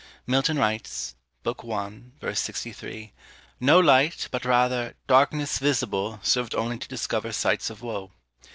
Milton writes, book i. v. 63 No light, but rather DARKNESS VISIBLE Served only to discover sights of woe.